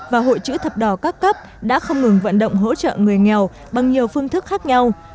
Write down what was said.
và hội chữ thập đỏ các cấp đã không ngừng vận động hỗ trợ người nghèo bằng nhiều phương thức khác nhau